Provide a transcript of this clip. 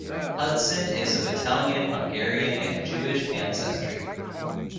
Hudson is of Italian, Hungarian and Jewish ancestry.